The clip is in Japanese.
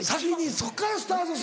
そっからスタートすんのが。